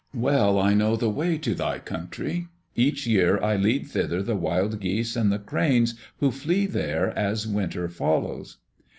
Well I know the way to thy country. Each year I lead thither the wild geese and the cranes who flee there as winter follows."